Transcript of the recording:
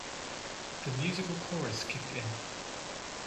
The musical chorus kicked in.